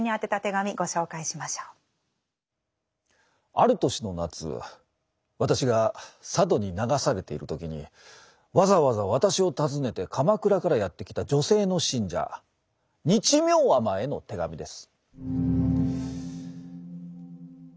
ある年の夏私が佐渡に流されている時にわざわざ私を訪ねて鎌倉からやって来た女性の信者日妙尼への手紙です。